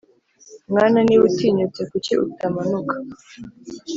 mwana niba utinyutse kuki utamanuka